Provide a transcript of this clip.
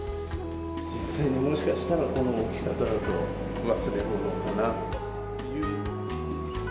実際に、もしかしたら、この置き方だと忘れ物かな。